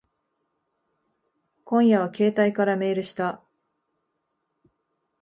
今夜は携帯からメールした。